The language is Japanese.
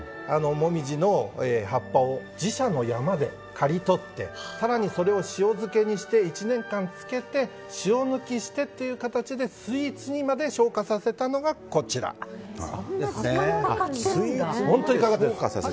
モミジの葉っぱを自社の山で刈り取って更にそれを塩漬けにして１年間漬けて塩抜きしてという形でスイーツにまで昇華させたのがこちらです。